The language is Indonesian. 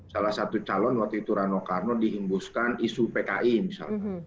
salah satu calon waktu itu rano karno dihembuskan isu pki misalnya